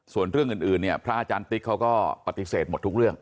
ส่วนเรื่องอื่นเนี่ยพระอาจารย์ติ๊กเขาก็ปฏิเสธหมดทุกเรื่อง